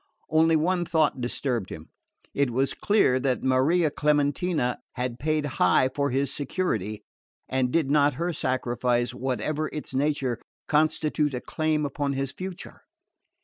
Only one thought disturbed him. It was clear that Maria Clementina had paid high for his security; and did not her sacrifice, whatever its nature, constitute a claim upon his future?